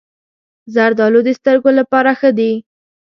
زردالو د سترګو لپاره ښه دي.